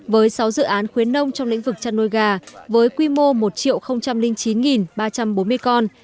với sáu dự án khuyến nông trong lĩnh vực chăn nuôi gà với quy mô một chín ba trăm bốn mươi con